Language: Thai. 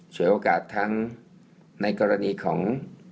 ฉวยโอกาสทั้งในกรณีของ